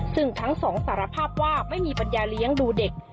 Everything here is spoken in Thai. ซึ่งทั้งสองสารภาพว่าไม่มีปัญญาเลี้ยงดูเด็ก